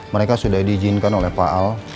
mereka sudah diizinkan oleh pak al